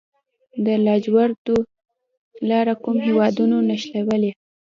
د لاجوردو لاره کوم هیوادونه نښلوي؟